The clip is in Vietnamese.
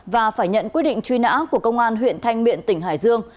và phải nhận quyết định truy nã của công an huyện thanh miện tỉnh hải dương